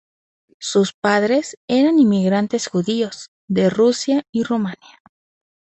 Sus padres eran inmigrantes judíos de Rusia y Rumania.